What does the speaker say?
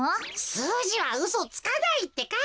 すうじはうそつかないってか。